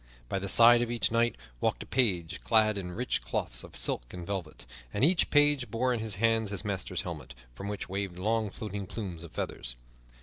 By the side of each knight walked a page clad in rich clothes of silk and velvet, and each page bore in his hands his master's helmet, from which waved long, floating plumes of feathers.